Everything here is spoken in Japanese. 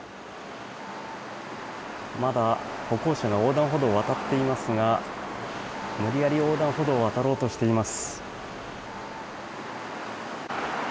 まだ歩行者が横断歩道を渡っていますが無理やり横断歩道を渡ろうとしています。